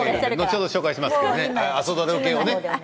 後ほど紹介しますから。